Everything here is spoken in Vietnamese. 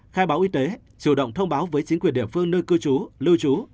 khai báo y tế chủ động thông báo với chính quyền địa phương nơi cư trú lưu trú